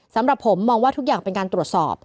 สำหรับผมมองว่าทุกอย่างเป็นการตรวจสอบ